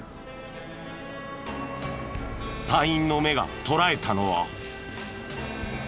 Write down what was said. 隊員の目が捉えたのは。